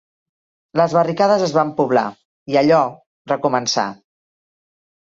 ...les barricades es van poblar, i «allò» recomençà.